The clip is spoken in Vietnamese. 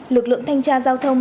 lực lượng thanh tra giao thông